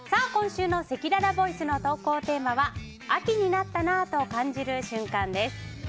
今週のせきららボイスの投稿テーマは秋になったなぁと感じる瞬間です。